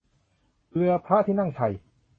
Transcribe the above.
เรือพระที่นั่งชัย